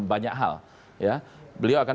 banyak hal beliau akan